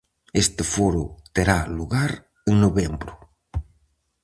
Este foro terá lugar en novembro.